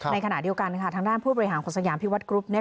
ในขณะเดียวกันค่ะทางด้านผู้บริหารของสยามพิวัตกรุ๊ป